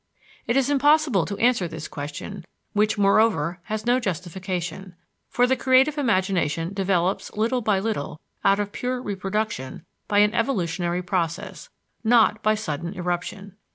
It is impossible to answer this question, which, moreover, has no justification. For the creative imagination develops little by little out of pure reproduction by an evolutionary process, not by sudden eruption.